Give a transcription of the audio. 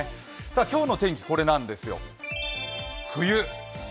今日の天気、これなんですよ。